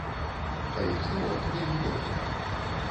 Па іх словах, вельмі добрыя.